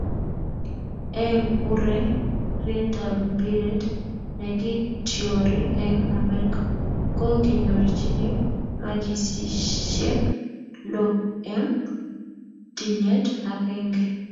eng ureryetab mpiret nekityori eng Amerika, ko kinyorchini makisiek lo eng tinyet agenge